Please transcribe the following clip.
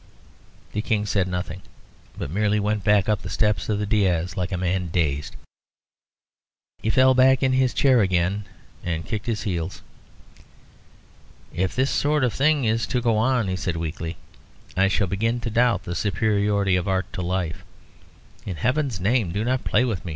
The King said nothing, but merely went back up the steps of the daïs, like a man dazed. He fell back in his chair again and kicked his heels. "If this sort of thing is to go on," he said weakly, "I shall begin to doubt the superiority of art to life. In Heaven's name, do not play with me.